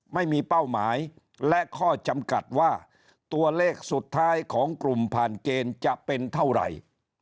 ไม่มีเป้าหมายและข้อจำกัดว่าตัวเลขสุดท้ายของกลุ่มผ่านเกณฑ์จะเป็นเท่าไหร่